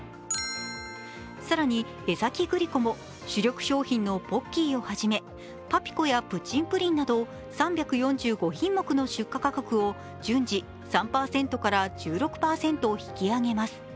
更に、江崎グリコも主力商品のポッキーをはじめパピコやプッチンプリンなど３４５品目の出荷価格を順次３％から１６％引き上げます。